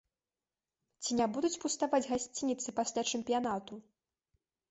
Ці не будуць пуставаць гасцініцы пасля чэмпіянату?